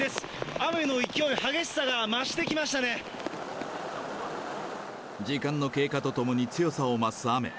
雨の勢い、激しさが増してきまし時間の経過とともに強さを増す雨。